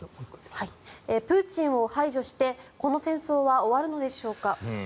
プーチンを排除してこの戦争は終わるのでしょうか。